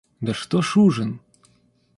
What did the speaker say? Да что ж ужин?